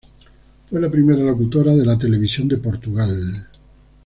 Fue la primera locutora de la televisión de Portugal.